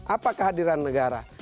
apa kehadiran negara